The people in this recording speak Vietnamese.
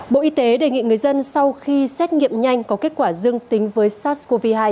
bộ y tế đề nghị người dân sau khi xét nghiệm nhanh có kết quả dương tính với sars cov hai